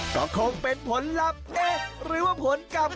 ก็คงเป็นผลลำเอกหรือว่าผลกรรม